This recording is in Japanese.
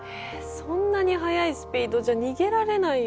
そんなに速いスピードじゃ逃げられないよ。